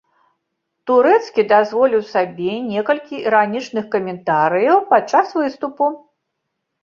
Турэцкі дазволіў сабе некалькі іранічных каментарыяў падчас выступу.